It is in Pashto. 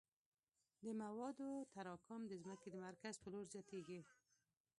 د موادو تراکم د ځمکې د مرکز په لور زیاتیږي